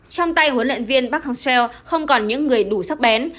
trong tay huấn luyện viên park hang seo không còn những người đủ sắc bén